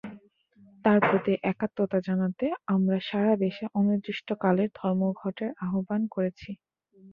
তাঁর প্রতি একাত্মতা জানাতে আমরা সারা দেশে অনির্দিষ্টকালের ধর্মঘটের আহ্বান করেছি।